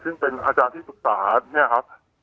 ซึ่งเป็นอาจารย์ที่ปรึกษาเนี่ยครับ